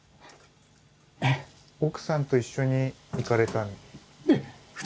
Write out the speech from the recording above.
奥さんと一緒に行かれたんですか？